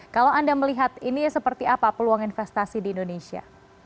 kalau anda melihat ini seperti apa peluang investasi di indonesia